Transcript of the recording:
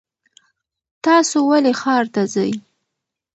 تاسو ولې ښار ته ځئ؟